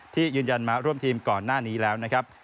ที่ยืนยันมาร่วมทีมก่อนหน้านี้แล้วนะครับ